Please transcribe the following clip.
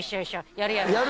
やるやる。